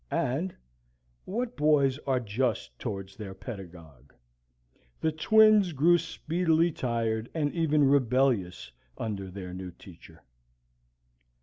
And what boys are just towards their pedagogue? the twins grew speedily tired and even rebellious under their new teacher.